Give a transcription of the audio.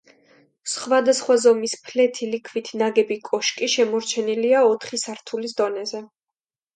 სხვადასხვა ზომის ფლეთილი ქვით ნაგები კოშკი შემორჩენილია ოთხი სართულის დონეზე.